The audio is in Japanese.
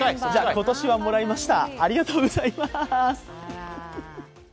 今年はもらいました。